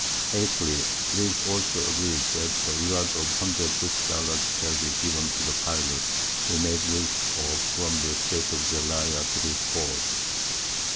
_ 8thly, It is also agreed, That a Reward of 100 Rix Dollars shall be given to the Pilot we made use of from the Streights of Zelaya _to this Port.